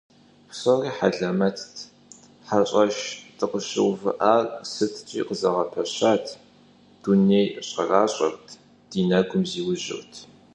Псори хьэлэмэтт, хьэщӀэщ дыкъыщыувыӀар сыткӀи къызэгъэпэщат, дунейр щӀэращӀэрт, ди нэгу зиужьырт…